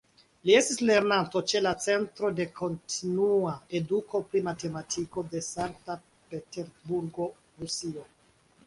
Li estis lernanto ĉe la "Centro de Kontinua Eduko pri Matematiko" de Sankt-Peterburgo, Rusio.